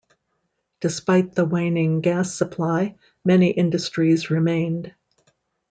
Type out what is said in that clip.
Despite the waning gas supply, many industries remained.